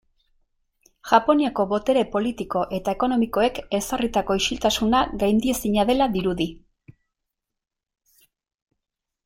Japoniako botere politiko eta ekonomikoek ezarritako isiltasuna gaindiezina dela dirudi.